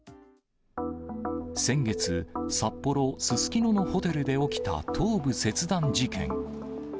先月、札幌・すすきののホテルで起きた頭部切断事件。